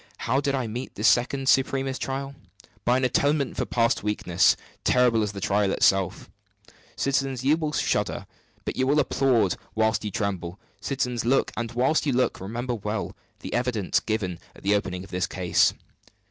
How did I meet this second supremest trial? By an atonement for past weakness, terrible as the trial itself. Citizens, you will shudder; but you will applaud while you tremble. Citizens, look! and while you look, remember well the evidence given at the opening of this case.